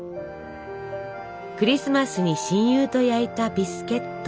クリスマスに親友と焼いたビスケット。